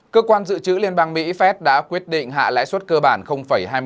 cơ quan dự trữ liên bang mỹ phép đã quyết định hạ lãi suất cơ bản hai mươi năm